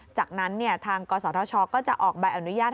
จากนั้นทางกศธชก็จะออกใบอนุญาต